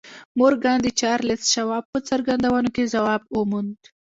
مورګان د چارلیس شواب په څرګندونو کې ځواب وموند